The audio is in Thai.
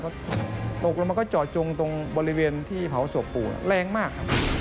ก็ตกลงแล้วก็เจาะจงตรงบริเวณที่เผาสวบปู่แรงมาก